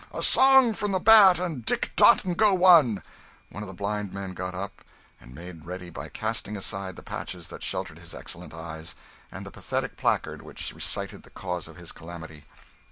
a song from the Bat and Dick and Dot and go One!" One of the blind men got up, and made ready by casting aside the patches that sheltered his excellent eyes, and the pathetic placard which recited the cause of his calamity.